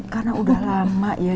karena udah lama ya